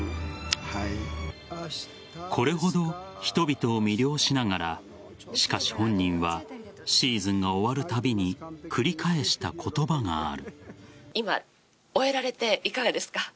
これほど人々を魅了しながらしかし本人はシーズンが終わるたびに繰り返した言葉がある。